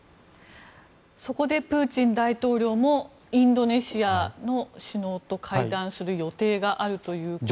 そこでプーチン大統領もインドネシアの首脳と会談する予定があるということで。